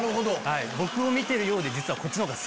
僕を見てるようで実は。